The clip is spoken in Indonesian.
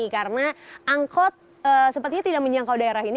karena angkot sepertinya tidak menyangkau daerah ini